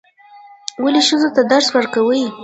ولې ښځو ته درس ورکوئ؟